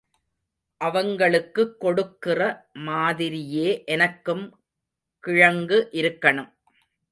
அவங்களுக்குக் கொடுக்கிற மாதிரியே எனக்கும் கிழங்கு இருக்கணும்.